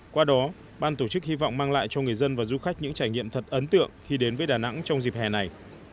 qua đó ban tổ chức hy vọng mang lại cho người dân và du khách những trải nghiệm thật ấn tượng khi đến với đà nẵng trong dịp hè này